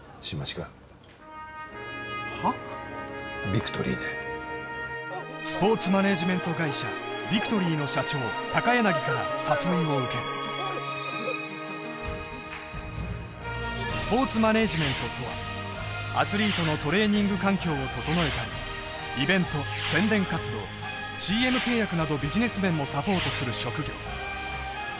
ビクトリーでスポーツマネージメント会社ビクトリーの社長高柳から誘いを受けるスポーツマネージメントとはアスリートのトレーニング環境を整えたりイベント宣伝活動ＣＭ契約などビジネス面もサポートする職業